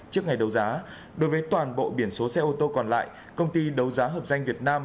trước ngày đấu giá đối với toàn bộ biển số xe ô tô còn lại công ty đấu giá hợp danh việt nam